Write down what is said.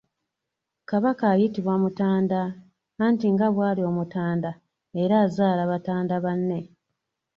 Kabaka ayitibwa Mutanda, nti nga bw'ali Omutanda era azaala Batanda banne.